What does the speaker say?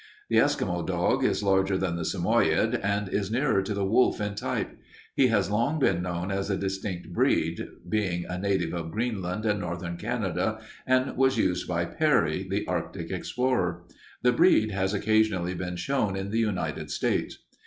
"The Eskimo dog is larger than the Samoyede and is nearer to the wolf in type. He has long been known as a distinct breed, being a native of Greenland and northern Canada, and was used by Peary, the Arctic explorer. The breed has occasionally been shown in the United States.